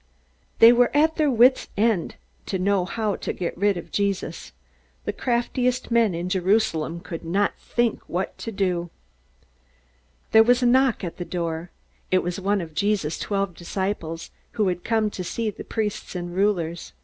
They were at their wits' end to know how to get rid of Jesus. The craftiest men in Jerusalem could not think what to do. There was a knock at the door. It was one of Jesus' twelve disciples, who had come to see the priests and rulers. His name?